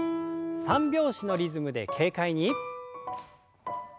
三拍子のリズムで軽快に。